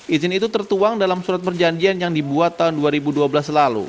izin itu tertuang dalam surat perjanjian yang dibuat tahun dua ribu dua belas lalu